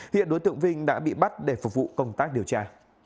hiện đối tượng vinh đã bị bắt để phục vụ công tác điều tra